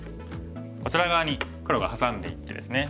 こちら側に黒がハサんでいってですね。